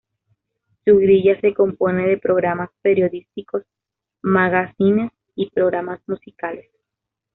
Su grilla se compone de programas periodísticos, magacines y programas musicales.